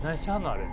あれ。